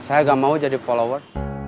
saya gak mau jadi follower